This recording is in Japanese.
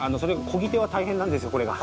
こぎ手は大変なんですよ、これが。